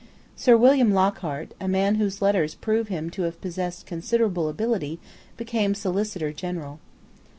Sir William Lockhart, a man whose letters prove him to have possessed considerable ability, became Solicitor General.